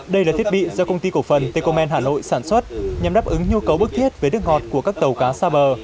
đây là thiết bị do công ty cổ phần tecommen hà nội sản xuất nhằm đáp ứng nhu cầu bức thiết với nước ngọt của các tàu cá xa bờ